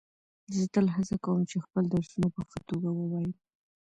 زه تل هڅه کوم چي خپل درسونه په ښه توګه ووایم.